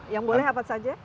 yang boleh apa saja